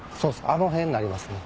あの辺になりますね。